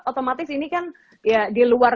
otomatis ini kan ya di luar